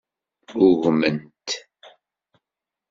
Ggugment.